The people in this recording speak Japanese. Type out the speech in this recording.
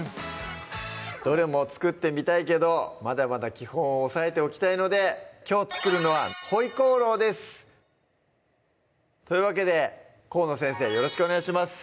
どれも作ってみたいけどまだまだ基本を押さえておきたいのできょう作るのは「回鍋肉」ですというわけで河野先生よろしくお願いします